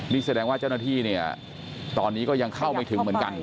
นี่แสดงว่าเจ้าหน้าที่เนี่ยตอนนี้ก็ยังเข้าไม่ถึงเหมือนกัน